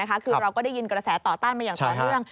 คือเราก็ได้ยินกระแสต่อต้านมาอย่างต่อเนื่อง